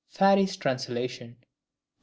Farie's translation, p.77.